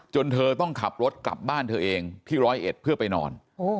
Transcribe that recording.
เธอต้องขับรถกลับบ้านเธอเองที่ร้อยเอ็ดเพื่อไปนอน